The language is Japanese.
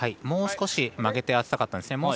もう少し曲げておきたかったですね。